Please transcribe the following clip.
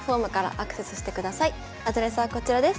アドレスはこちらです。